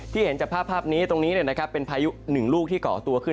เห็นจากภาพนี้ตรงนี้เป็นพายุหนึ่งลูกที่เกาะตัวขึ้น